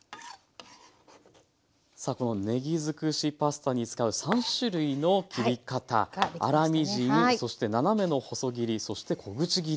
さあこのねぎづくしパスタに使う３種類の切り方粗みじんそして斜めの細切りそして小口切り。